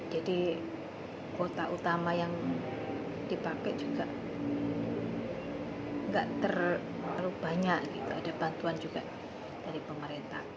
jadi kuota utama yang dipakai juga gak terlalu banyak ada bantuan juga dari pemerintah